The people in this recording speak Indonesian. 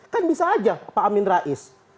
kan bisa aja pak amin rais